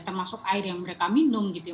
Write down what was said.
termasuk air yang mereka minum gitu ya